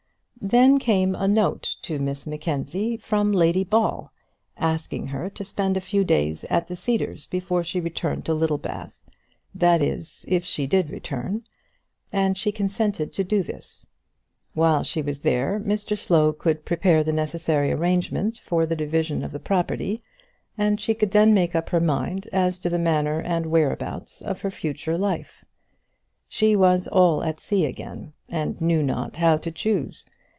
Then came a note to Miss Mackenzie from Lady Ball, asking her to spend a few days at the Cedars before she returned to Littlebath, that is, if she did return, and she consented to do this. While she was there Mr Slow could prepare the necessary arrangements for the division of the property, and she could then make up her mind as to the manner and whereabouts of her future life. She was all at sea again, and knew not how to choose.